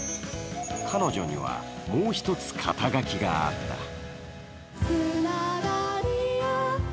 彼女にはもう一つ、肩書があった。